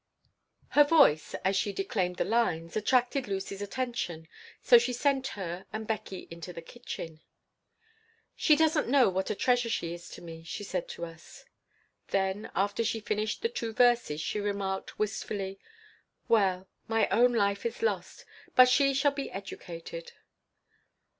Her voice, as she declaimed the lines, attracted Lucy's attention, so she sent her and Beckie into the kitchen "She doesn't know what a treasure she is to me," she said to us. Then, after she finished the two verses, she remarked, wistfully, "Well, my own life is lost, but she shall be educated."